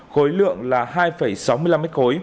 khối lượng là hai sáu mươi năm m ba